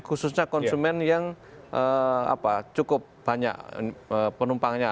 khususnya konsumen yang cukup banyak penumpangnya